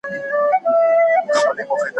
که انسان تبادله سي انسانيت ته سپکاوی دی.